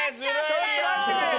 ちょっと待ってくれ！